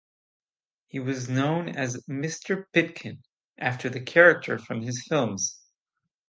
He was known as "Mr Pitkin" after the character from his films.